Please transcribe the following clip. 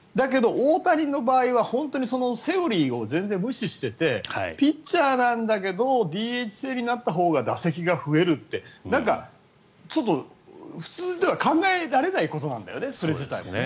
でも、大谷の場合は本当にセオリーを全然無視しててピッチャーなんだけどＤＨ制になったほうが打席が増えるってなんか、ちょっと普通では考えられないことなんだよね。